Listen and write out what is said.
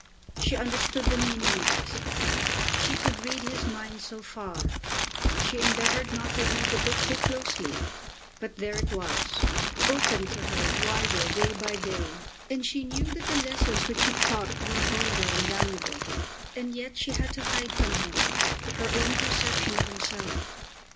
She understood the meaning of this. She could read his mind so far. She endeavoured not to read the book too closely, but there it was, opened to her wider day by day, and she knew that the lessons which it taught were vulgar and damnable. And yet she had to hide from him her own perception of himself!